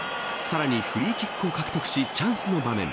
さらにフリーキックを獲得しチャンスの場面。